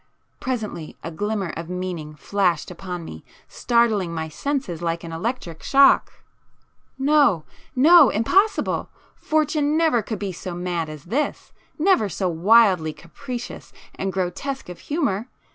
Presently a glimmer of meaning flashed upon me, startling my senses like an electric shock, ... no—no—!—impossible! Fortune never could be so mad as this!—never so wildly capricious and grotesque of humour!